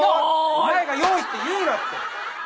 お前が用意って言うなって。